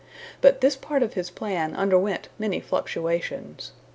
But this part of his plan underwent many fluctuations.